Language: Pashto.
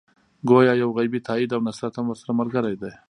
ګویا یو غیبي تایید او نصرت هم ورسره ملګری دی.